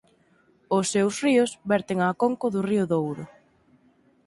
Os seus ríos verten á conco do río Douro.